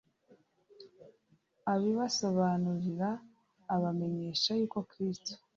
abibasobanurira abamenyesha yuko Kristo